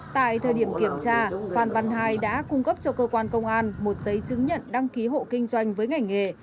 tại thời điểm kiểm tra phan văn hai đã cung cấp cho cơ quan công an một giấy chứng nhận đăng ký hộ kinh doanh với ngành nghề